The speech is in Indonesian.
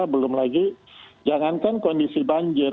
belum lagi jangankan kondisi banjir